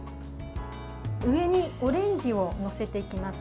上にオレンジを載せていきます。